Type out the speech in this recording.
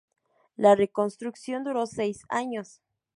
La reconstrucción duró seis años.